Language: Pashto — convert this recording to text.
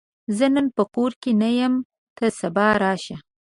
زه نن په کور کې نه یم، ته سبا راشه!